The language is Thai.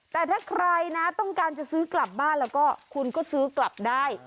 แต่ถ้าใครนะต้องการจะซื้อกลับบ้านแล้วก็คุณก็ซื้อกลับได้